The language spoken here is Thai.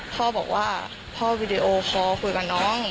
พ่อบอกว่าพ่อวีดีโอคอลคุยกับน้อง